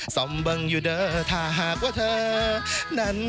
ซ่อมบึงอยู่เด้อถ้าหากว่าเธอนั้น